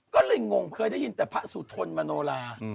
ก็เลยงงเคยได้ยินแต่พระสุทนมโนลา